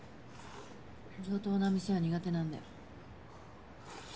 上等な店は苦手なんで。